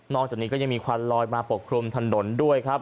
จากนี้ก็ยังมีควันลอยมาปกคลุมถนนด้วยครับ